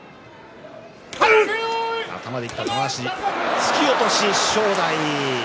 突き落とし、正代。